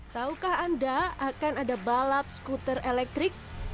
taukah anda akan ada balap skuter elektrik